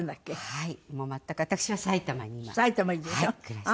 はい。